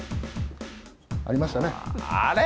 ありましたね。